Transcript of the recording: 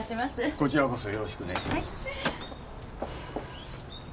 こちらこそよろしくね。